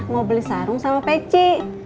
mau beli sarung sama pece